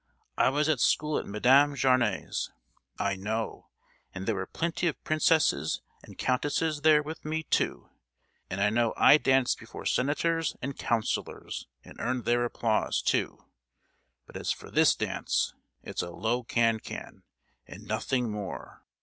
I was at school at Madame Jarne's, I know, and there were plenty of princesses and countesses there with me, too; and I know I danced before senators and councillors, and earned their applause, too: but as for this dance—it's a low can can, and nothing more!